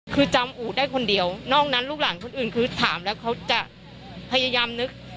คือจำอู๋ได้คนเดียวนอกนั้นลูกหลานคนอื่นคือถามแล้วเขาจะพยายามนึก